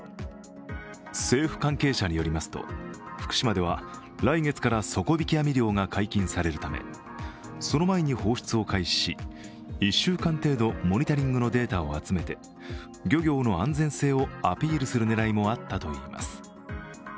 政府関係者によりますと福島では来月から底引き網漁が解禁されるためその前に放出を開始し１週間程度、モニタリングのデータを集めて漁業の安全性をアピールするねらいもあったといいます。